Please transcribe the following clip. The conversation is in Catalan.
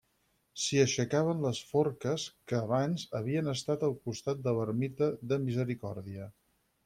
S'hi aixecaven les forques, que abans havien estat al costat de l'ermita de Misericòrdia.